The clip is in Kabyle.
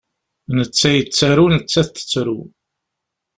Netta yettru, nettat tettru.